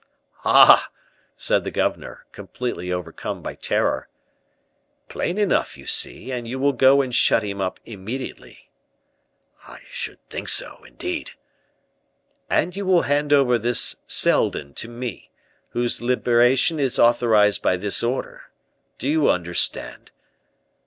"Ah!" said the governor, completely overcome by terror. "Plain enough, you see; and you will go and shut him up immediately." "I should think so, indeed." "And you will hand over this Seldon to me, whose liberation is authorized by this order. Do you understand?"